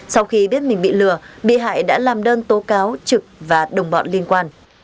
sau khi biết mình bị lừa bị hại đã làm đơn tố cáo trực và đồng bọn liên quan